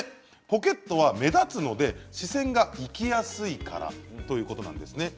ポケットは目立つので視線がいきやすいからということなんですね。